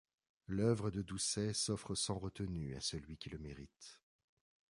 L'œuvre de Doucet s'offre sans retenue à celui qui le mérite.